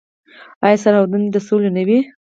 آیا سرحدونه دې د سولې نه وي؟